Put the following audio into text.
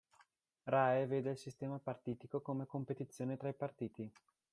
Rae vede il sistema partitico come competizione tra i partiti.